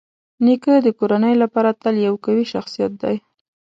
نیکه د کورنۍ لپاره تل یو قوي شخصيت دی.